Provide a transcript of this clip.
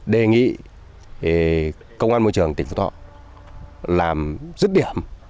đề nghị công an môi trường tỉnh phú thọ làm dứt điểm